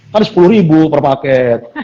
kan sepuluh ribu per paket